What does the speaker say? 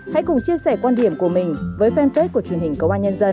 hãy cùng chia sẻ quan điểm của mình với fanpage của truyền hình công an nhân dân